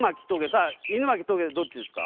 さあ狗巻棘どっちですか？